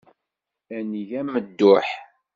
Ad neg amedduḥ.